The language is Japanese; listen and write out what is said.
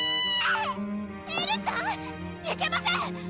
エルちゃん⁉いけません！